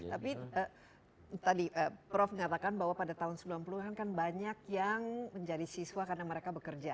tapi tadi prof mengatakan bahwa pada tahun sembilan puluh an kan banyak yang menjadi siswa karena mereka bekerja